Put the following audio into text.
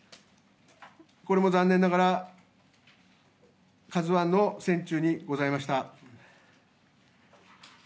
これも残念ながら、カズワンの船中にございました。